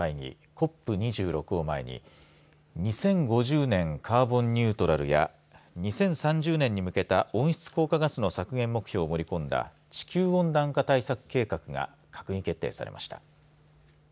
ＣＯＰ２６を前に２０５０年カーボンニュートラルや２０３０年に向けた温室効果ガスの削減目標を盛り込んだ地球温暖化対策計画が閣議決定されました。